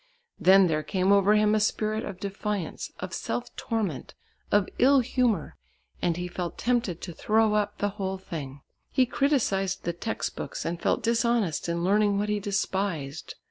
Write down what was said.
Then there came over him a spirit of defiance, of self torment, of ill humour, and he felt tempted to throw up the whole thing. He criticised the text books and felt dishonest in learning what he despised.